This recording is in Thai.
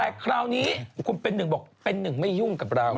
แต่คราวนี้คุณเป็นหนึ่งบอกเป็นหนึ่งไม่ยุ่งกับเรา